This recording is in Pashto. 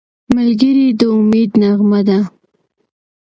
ملګری د امید نغمه ده